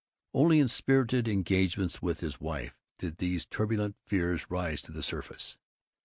Only in spirited engagements with his wife did these turbulent fears rise to the surface.